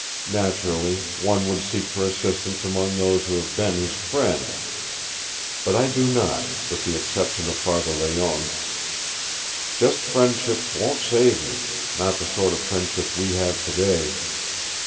Naturally one would seek for assistance among those who have been his friends. But I do not, with the exception of Father Layonne. Just friendship won't save me, not the sort of friendship we have today.